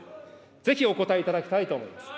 ぜひお答えいただきたいと思います。